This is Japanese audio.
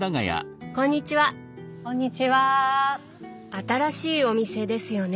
新しいお店ですよね？